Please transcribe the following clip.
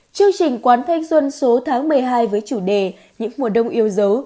chương trình quán thanh xuân số tháng một mươi hai với chủ đề những mùa đông yêu dấu